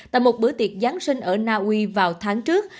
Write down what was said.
tại một bữa tiệc giáng sinh ở naui vào tháng trước